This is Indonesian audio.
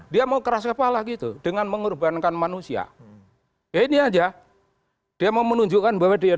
dia mau keras kepala gitu dengan mengorbankan manusia ya ini aja dia mau menunjukkan bahwa dia